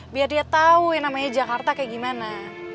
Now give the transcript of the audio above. biar dia tahu yang namanya jakarta kayak gimana